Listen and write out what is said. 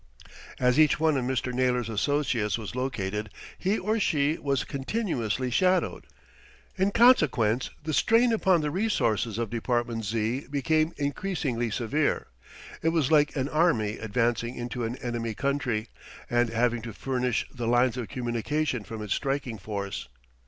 As each one of Mr. Naylor's associates was located, he or she was continuously shadowed. In consequence the strain upon the resources of Department Z. became increasingly severe. It was like an army advancing into an enemy country, and having to furnish the lines of communication from its striking force.